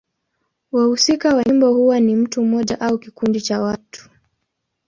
Wahusika wa nyimbo huwa ni mtu mmoja au kikundi cha watu.